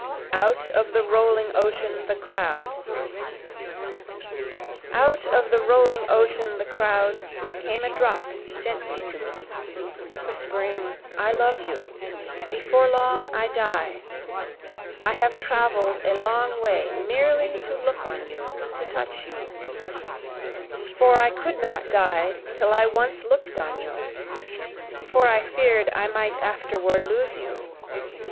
Out of the Rolling Ocean the Crowd Out of the rolling ocean the crowd came a drop gently to me, Whispering I love you, before long I die, I have travel'd a long way merely to look on you to touch you, For I could not die till I once look'd on you, For I fear'd I might afterward lose you.